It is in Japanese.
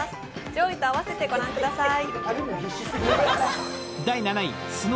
上位と併せてご覧ください。